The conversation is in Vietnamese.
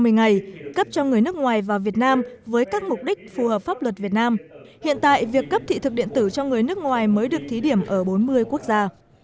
trong một mươi ngày cấp cho người nước ngoài vào việt nam với các mục đích phù hợp pháp luật việt nam hiện tại việc cấp thị thực điện tử cho người nước ngoài mới được thí điểm ở bốn mươi quốc gia